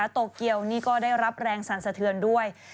โตเกียวนี่ก็ได้รับแรงสรรสะเทือนด้วย